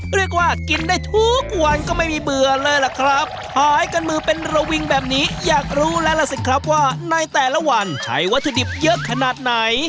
เรียกว่ากินได้ทุกวันก็ไม่มีเบื่อเลยล่ะครับขายกันมือเป็นระวิงแบบนี้อยากรู้แล้วล่ะสิครับว่าในแต่ละวันใช้วัตถุดิบเยอะขนาดไหน